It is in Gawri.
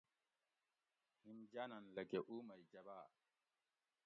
ہِم جاۤنن لکۤہ اُو مئی جبال